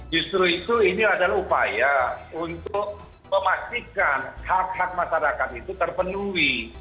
justru itu ini adalah upaya untuk memastikan hak hak masyarakat itu terpenuhi